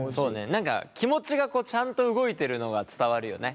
何か気持ちがちゃんと動いてるのが伝わるよね。